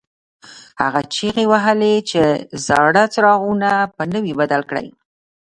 هغه چیغې وهلې چې زاړه څراغونه په نویو بدل کړئ.